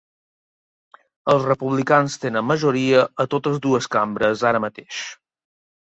Els republicans tenen majoria a totes dues cambres ara mateix.